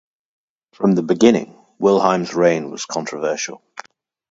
From the beginning, Wilhelm's reign was controversial.